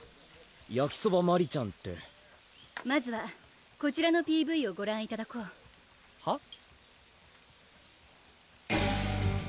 「やきそばマリちゃん」ってまずはこちらのＰＶをごらんいただこうはっ？